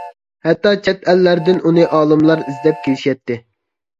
ھەتتا چەت ئەللەردىن ئۇنى ئالىملار ئىزدەپ كېلىشەتتى.